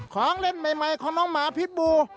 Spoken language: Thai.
ของเล่นใหม่ของน้องหมาพิษบู